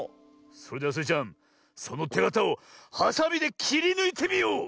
それではスイちゃんそのてがたをはさみできりぬいてみよ！